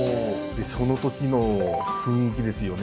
でその時の雰囲気ですよね